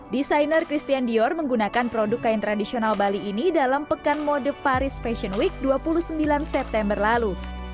desainer christian dior menggunakan produk kain tradisional bali ini dalam pekan mode paris fashion week dua puluh sembilan september lalu